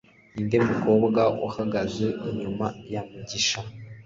Ninde mukobwa uhagaze inyuma ya Mugisha?